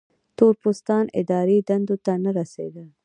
تور پوستان اداري دندو ته نه رسېدل.